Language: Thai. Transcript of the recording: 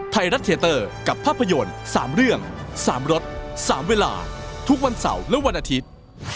ไทยรัฐเทียเตอร์กับภาพยนตร์๓เรื่อง๓รถ๓เวลาทุกวันเสาร์และวันอาทิตย์